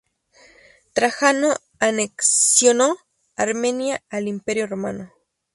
Trajano anexionó Armenia al Imperio romano.